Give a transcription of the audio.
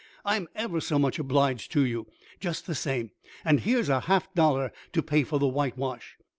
"I'm ever so much obliged to you, just the same, and here's a half dollar to pay for the whitewash."